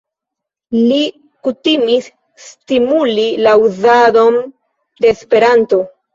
Li kutimis stimuli la uzadon de Esperanto.